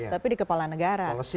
tapi di kepala negara